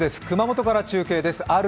熊本から中継です。